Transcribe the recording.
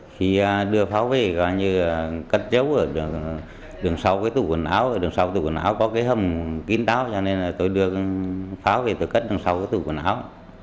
thì đưa pháo về gọi như là cất giấu ở đường sau cái tủ quần áo ở đường sau cái tủ quần áo có cái hầm kín đáo cho nên là tôi đưa pháo về tôi cất đường sau cái tủ quần áo